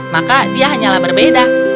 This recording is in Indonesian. maka dia hanyalah berbeda